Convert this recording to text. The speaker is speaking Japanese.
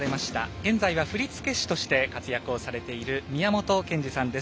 現在は振付師として活躍されている宮本賢二さんです。